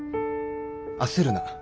焦るな。